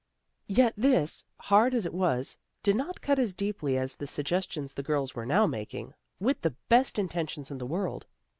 Yet this, hard as it was, did not cut as deeply as the suggestions the girls were now making, with the best intentions in the world.